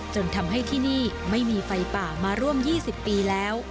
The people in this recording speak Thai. จนทำให้ที่นี่ไม่มีไฟป่ามาร่วม๒๐ปีแล้ว